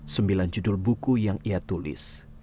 sembilan judul buku yang ia tulis